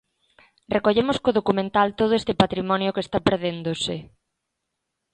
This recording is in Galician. Recollemos co documental todo este patrimonio que está perdéndose.